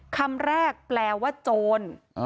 คำแรกแปลว่าโจร